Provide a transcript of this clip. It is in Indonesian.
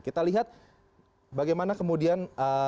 kita lihat bagaimana kemudian